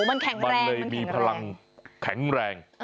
อันนี้มีพลังแข็งแรง